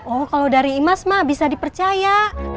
oh kalau dari imas mah bisa dipercaya